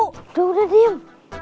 udah udah diem